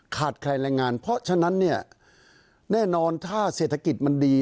ใครแรงงานเพราะฉะนั้นเนี่ยแน่นอนถ้าเศรษฐกิจมันดี